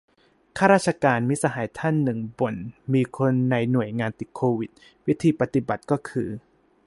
ข้าราชการ มิตรสหายท่านหนึ่ง บ่น มีคนในหน่วยติดโควิด วิธีปฏิบัติก็คือ